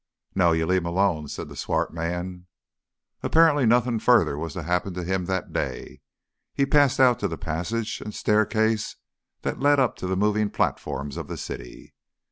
"No you leave 'im alone," said the swart man. Apparently nothing further was to happen to him that day. He passed out to the passage and staircase that led up to the moving platforms of the city.